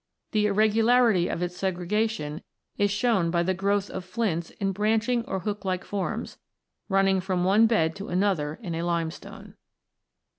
The irregu larity of its segregation is shown by the growth of flints in branching or hook like forms, running from one bed to another in a limestone.